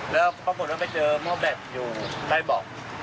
แล้วปรากฏว่าไปเจอมอร์แบตอยู่ในบอก